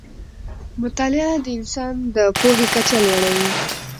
مطالعه د انسان د پوهې کچه لوړه وي